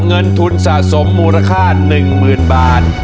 เงินทุนสะสมมูลค่าหนึ่งหมื่นบาท